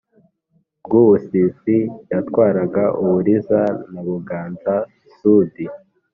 Rwubusisi yatwaraga Uburiza na Buganza-Sud.